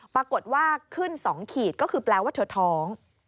ปรากฏว่าขึ้น๒ขีดก็คือแปลว่าเธอท้อง